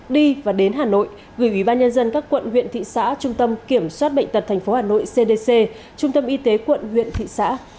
đi và đến hà nội gửi ubnd các quận huyện thị xã trung tâm kiểm soát bệnh tật tp hà nội cdc trung tâm y tế quận huyện thị xã